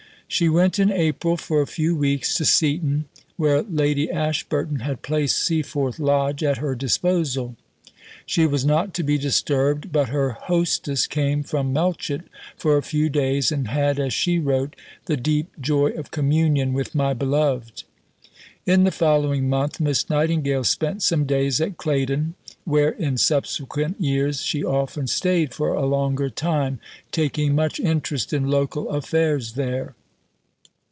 She went in April for a few weeks to Seaton, where Lady Ashburton had placed Seaforth Lodge at her disposal. She was not to be disturbed, but her hostess came from Melchet for a few days, and had, as she wrote, "the deep joy of communion with my beloved." In the following month Miss Nightingale spent some days at Claydon, where in subsequent years she often stayed for a longer time, taking much interest in local affairs there.